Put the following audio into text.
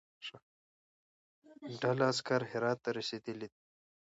ډله عسکر هرات ته رسېدلی دي.